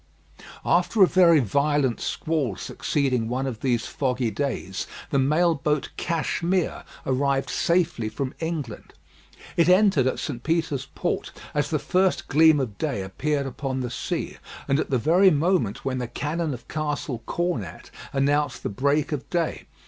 After a very violent squall succeeding one of these foggy days, the mail boat Cashmere arrived safely from England. It entered at St. Peter's Port as the first gleam of day appeared upon the sea, and at the very moment when the cannon of Castle Cornet announced the break of day.